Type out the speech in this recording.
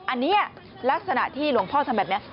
อันนี้ลักษณะที่หลวงพ่อทำแบบนี้